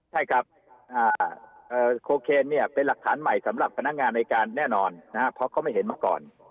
ใช่ครับโคเคนเนี่ยเป็นหลักฐานใหม่สำหรับพนักงานในการแน่นอนนะครับเพราะเขาไม่เห็นมาก่อน